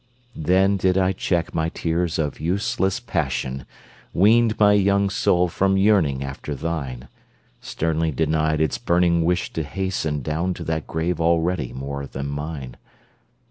Then did I check my tears of useless passion, Weaned my young soul from yearning after thine, Sternly denied its burning wish to hasten Down to that grave already more than mine!